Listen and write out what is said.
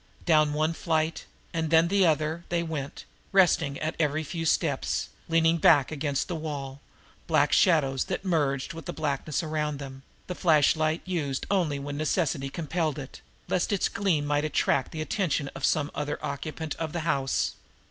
Down one flight, and then the other, they went, resting at every few steps, leaning back against the wall, black shadows that merged with the blackness around them, the flashlight used only when necessity compelled it, lest its gleam might attract the attention of some other occupant of the house.